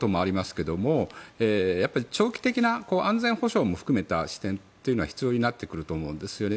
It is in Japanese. けど長期的な安全保障も含めた視点というのは必要になってくると思うんですよね。